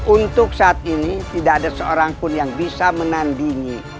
untuk saat ini tidak ada seorang pun yang bisa menandingi